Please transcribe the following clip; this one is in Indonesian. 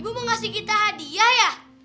gue mau ngasih kita hadiah ya